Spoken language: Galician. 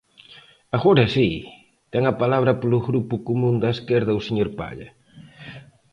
Agora si, ten a palabra polo Grupo Común da Esquerda o señor Palla.